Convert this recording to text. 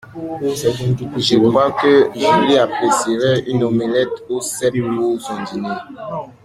Je crois que Julie apprécierait une omelette aux cèpes pour son dîner.